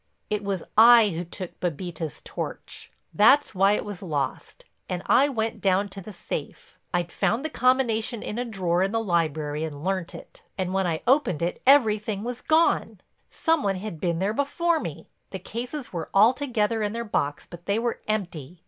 It was I who took Bébita's torch—that's why it was lost—and I went down to the safe. I'd found the combination in a drawer in the library and learnt it. And when I opened it everything was gone. Some one had been there before me, the cases were all together in their box but they were empty."